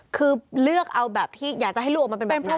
คือเลือกเอาแบบที่อยากจะให้ลูกออกมาเป็นแบบนี้